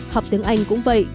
học tiếng anh cũng vậy